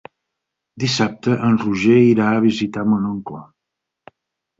Dissabte en Roger irà a visitar mon oncle.